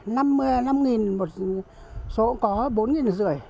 năm nghìn một số có bốn nghìn rưỡi